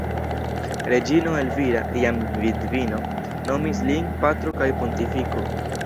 Reĝino Elvira, jam vidvino, nomis lin "patro kaj pontifiko".